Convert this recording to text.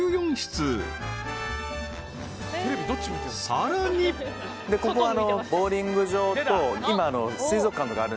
［さらに］ここは。